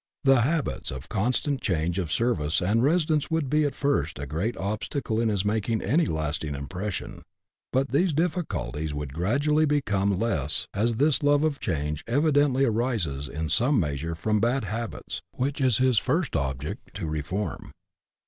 The habits of constant change of service and residence would be at first a great obstacle to his making any lasting impression ; but these difficulties would gradually become less as this love of change evidently arises in some measure from bad habits which it is his first object to reform.